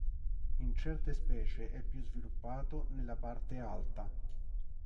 In certe specie è più sviluppato nella parte alta.